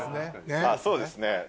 あっそうですね。